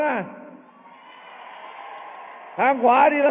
เอาข้างหลังลงซ้าย